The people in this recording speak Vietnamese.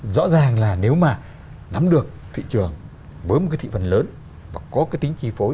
rõ ràng là nếu mà nắm được thị trường với một cái thị phần lớn và có cái tính chi phối